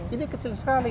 ini kecil sekali